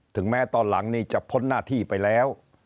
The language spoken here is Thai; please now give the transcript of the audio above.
แม้ตอนหลังนี้จะพ้นหน้าที่ไปแล้ว